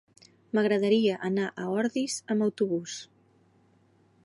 M'agradaria anar a Ordis amb autobús.